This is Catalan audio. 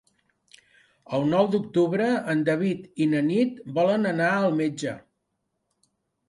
El nou d'octubre en David i na Nit volen anar al metge.